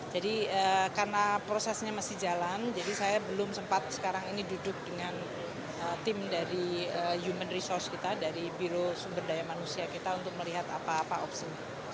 jadi karena prosesnya masih jalan jadi saya belum sempat sekarang ini duduk dengan tim dari human resource kita dari biro sumber daya manusia kita untuk melihat apa apa opsi